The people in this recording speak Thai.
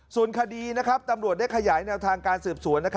ส่วนคดีตำรวจได้ขยายแนวทางการสืบสวน